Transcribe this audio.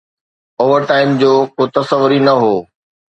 Over time جو ڪو تصور ئي نه هو.